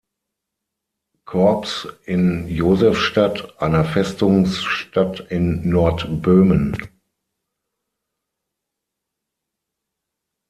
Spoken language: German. Korps in Josefstadt, einer Festungsstadt in Nordböhmen.